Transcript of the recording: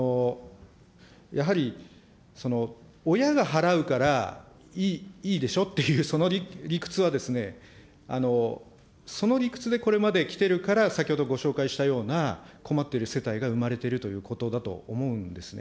やはり、親が払うからいいでしょっていう、その理屈はですね、その理屈でこれまで来てるから、先ほどご紹介したような困っている世帯が生まれているということだと思うんですね。